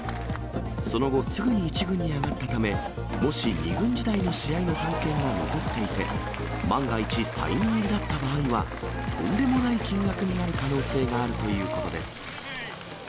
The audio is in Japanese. その後、すぐに１軍に上がったため、もし２軍時代の試合の半券が残っていて、万が一サイン入りだった場合は、とんでもない金額になる可能性があるということです。